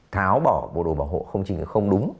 tháo bỏ bộ đồ bảo hộ không chỉ là không đúng